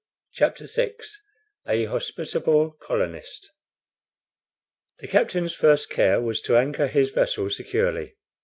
CHAPTER VI A HOSPITABLE COLONIST THE captain's first care was to anchor his vessel securely.